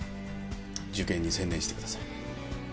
受験に専念してください。